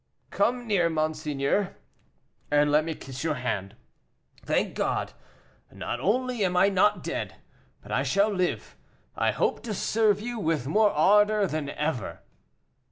"Come near, monseigneur, and let me kiss your hand. Thank God, not only I am not dead, but I shall live; I hope to serve you with more ardor than ever."